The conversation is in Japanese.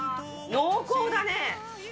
濃厚だね。